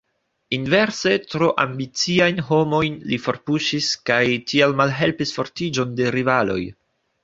Inverse, tro ambiciajn homojn li forpuŝis kaj tiel malhelpis fortiĝon de rivaloj.